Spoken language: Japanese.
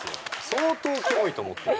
相当キモいと思って。